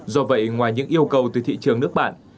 do vậy ngoài những yêu cầu từ thị trường nước bạn